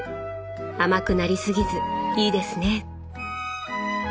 甘くなりすぎずいいですね。